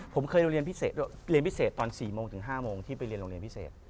ผมเคยโรงเรียนพิเศษจน๔โมงถึง๕โมงที่ไปโรงเรียนพิเศษ